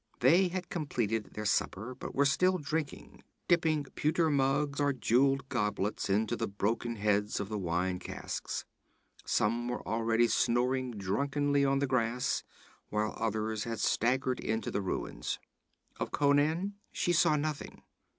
They had completed their supper, but were still drinking, dipping pewter mugs or jewelled goblets into the broken heads of the wine casks. Some were already snoring drunkenly on the grass, while others had staggered into the ruins. Of Conan she saw nothing.